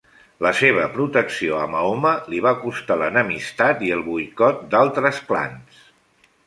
La seva protecció a Mahoma li va costar l'enemistat i el boicot d'altres clans.